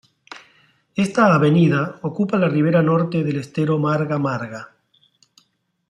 Esta avenida ocupa la ribera norte del Estero Marga Marga.